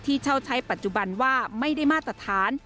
เช่าใช้ปัจจุบันว่าไม่ได้มาตรฐาน